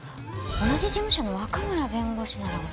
同じ事務所の若村弁護士なら恐らく。